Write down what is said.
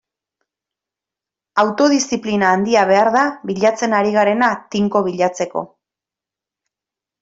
Autodiziplina handia behar da bilatzen ari garena tinko bilatzeko.